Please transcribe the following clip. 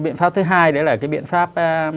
biện pháp thứ hai đấy là cái biện pháp